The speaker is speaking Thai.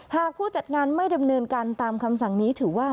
หากผู้จัดงานไม่ดำเนินการตามคำสั่งนี้ถือว่า